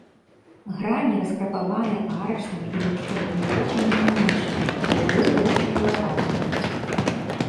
Грані раскрапаваны арачнымі і лучковымі вокнамі і нішамі, вуглы вылучаны лапаткамі.